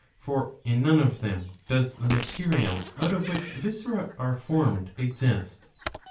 For in none of them does the material out of which viscera are formed exist.